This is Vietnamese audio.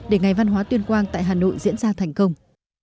để ngày văn hóa tuyên quang tại hà nội diễn ra thành công